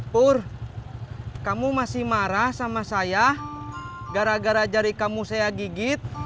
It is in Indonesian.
pur kamu masih marah sama saya gara gara jari kamu saya gigit